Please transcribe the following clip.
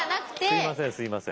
すみませんすみません。